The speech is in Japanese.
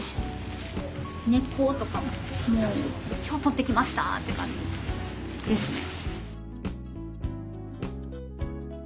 根っことかももう今日とってきましたって感じですね。